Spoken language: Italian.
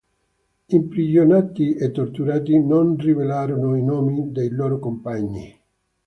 Imprigionati e torturati, non rivelarono i nomi di loro compagni.